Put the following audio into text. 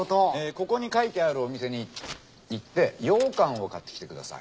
ここに書いてあるお店に行ってようかんを買ってきてください。